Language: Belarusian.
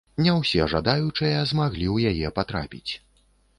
Не ўсе жадаючыя змаглі ў яе патрапіць.